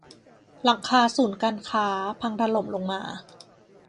หลังคาศูนย์การค้า พังถล่มลงมา